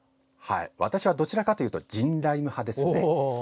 私はどちらかというとジンライム派ですね。